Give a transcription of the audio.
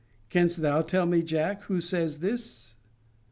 * Canst thou tell me, Jack, who says this?